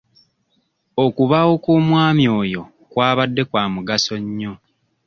Okubaawo kw'omwami oyo kwabadde kwa mugaso nnyo.